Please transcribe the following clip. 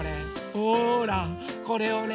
ほらこれをね